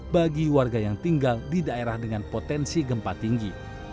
bagi warga yang tinggal di daerah dengan potensi gempa tinggi